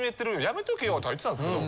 「やめとけよ」とか言ってたんですけど。